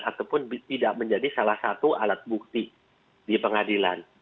ataupun tidak menjadi salah satu alat bukti di pengadilan